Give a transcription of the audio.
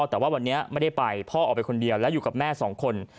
แต่ว่าวันนี้ไม่ได้ไปพ่อออกไปคนเดียวแล้วอยู่กับแม่สองคน